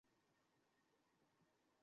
রাতে দেখা হবে।